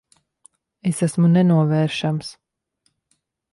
Es esmu nenovēršams.